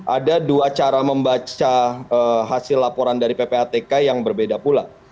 ada dua cara membaca hasil laporan dari ppatk yang berbeda pula